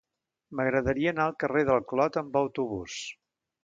M'agradaria anar al carrer del Clot amb autobús.